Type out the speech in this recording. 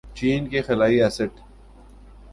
چین کے خلائی اسٹ